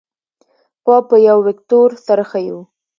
قوه په یو وکتور سره ښیو.